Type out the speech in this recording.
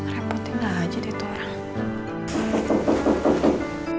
repotin aja deh itu orang